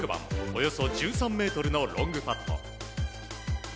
およそ１３ｍのロングパット。